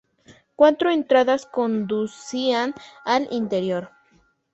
Cuatro entradas conducían al interior.